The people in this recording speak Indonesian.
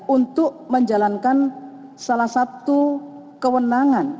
untuk menjalankan salah satu kewenangan